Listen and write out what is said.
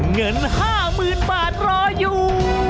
เงิน๕๐๐๐บาทรออยู่